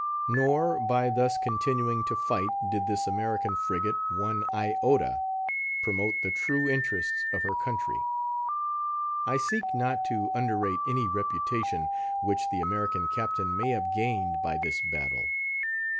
Nor, by thus continuing to fight, did this American frigate, one iota, promote the true interests of her country. I seek not to underrate any reputation which the American Captain may have gained by this battle.